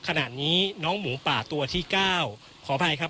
ขณะนี้น้องหมูป่าตัวที่๙ขออภัยครับ